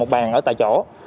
một bàn ở tại chỗ